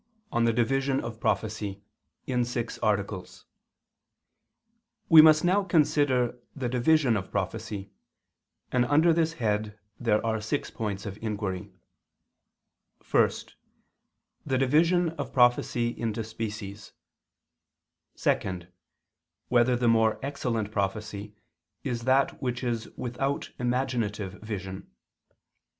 _______________________ QUESTION 174 OF THE DIVISION OF PROPHECY (SIX ARTICLES) We must now consider the division of prophecy, and under this head there are six points of inquiry: (1) The division of prophecy into its species; (2) Whether the more excellent prophecy is that which is without imaginative vision?